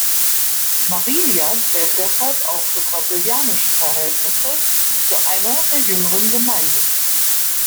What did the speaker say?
Marília zählt deshalb auch für brasilianische Verhältnisse zu einer der jüngeren Gemeinden.